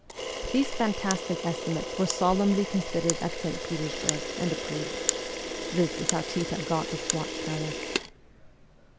These fantastic estimates were solemnly considered at St. Petersburg, and approved. This is how Chita got its watchtower.